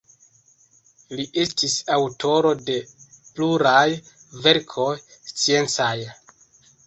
Li estis aŭtoro de pluraj verkoj sciencaj.